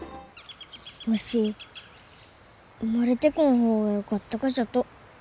わし生まれてこん方がよかったがじゃと。